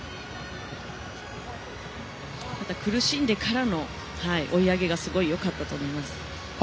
苦しんでからの追い上げがよかったと思います。